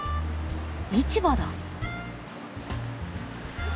市場だ。